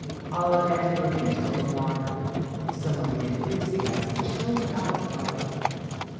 Olive had to repeat her remark, with some of the enthusiasm chilled out of her.